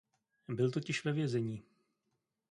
Byl totiž ve vězení.